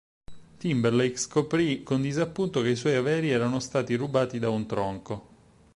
Timberlake scoprì con disappunto che i suoi averi erano stati rubati da un tronco.